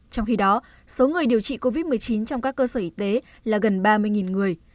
trong khi đó số người điều trị covid một mươi chín trong các cơ sở y tế là gần ba mươi người